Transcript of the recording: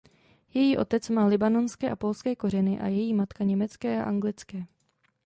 Její otec má libanonské a polské kořeny a její matka německé a anglické.